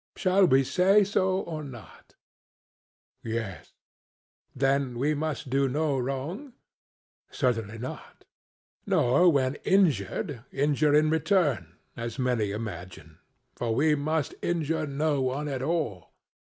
Shall we say so or not? CRITO: Yes. SOCRATES: Then we must do no wrong? CRITO: Certainly not. SOCRATES: Nor when injured injure in return, as the many imagine; for we must injure no one at all?